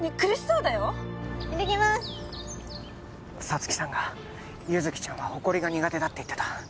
沙月さんが優月ちゃんはほこりが苦手だって言ってた